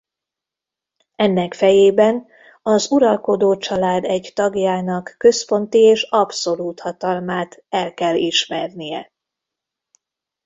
Ennek fejében az uralkodócsalád egy tagjának központi és abszolút hatalmát el kell ismernie.